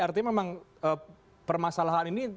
artinya memang permasalahan ini